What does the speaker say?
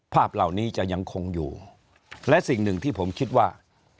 ภาพเหล่านี้จะยังคงอยู่และสิ่งหนึ่งที่ผมคิดว่า